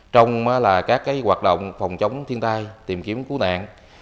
trong các hoạt động phòng chống thiên tai tìm kiếm cứu nạn